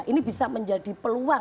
ini bisa menjadi peluang